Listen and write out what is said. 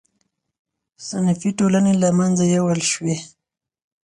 صنفي ټولنې له منځه یووړل شوې.